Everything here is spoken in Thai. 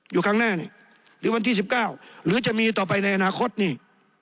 อยู่ครั้งหน้านี่หรือวันที่๑๙หรือจะมีต่อไปในอนาคตนี่